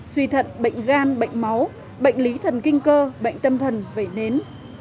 suy thận bệnh gan bệnh máu bệnh lý thần kinh cơ bệnh tâm thần vẩy nến